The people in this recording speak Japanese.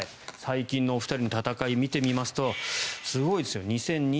最近のお二人の戦いを見てみますとすごいですよ。